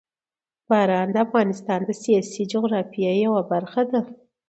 باران د افغانستان د سیاسي جغرافیه یوه برخه ده.